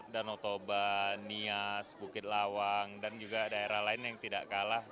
danau toba nias bukit lawang dan juga daerah lain yang tidak kalah